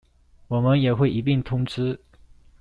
我們也會一併通知